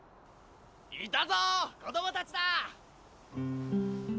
いたぞ子供たちだ！